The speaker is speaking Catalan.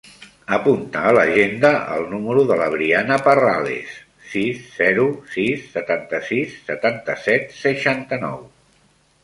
Apunta a l'agenda el número de la Briana Parrales: sis, zero, sis, setanta-sis, setanta-set, seixanta-nou.